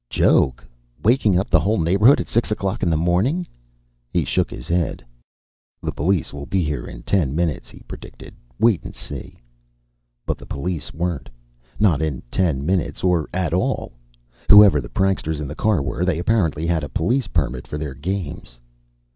"Joke? Waking up the whole neighborhood at six o'clock in the morning?" He shook his head. "The police will be here in ten minutes," he predicted. "Wait and see." But the police weren't not in ten minutes, or at all. Whoever the pranksters in the car were, they apparently had a police permit for their games.